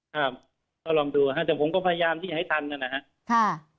ครับเราลองดูอ่ะฮะแต่ผมก็พยายามที่ให้ทันนะฮะ